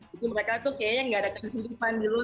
jadi mereka tuh kayaknya gak ada keseluruhan di luar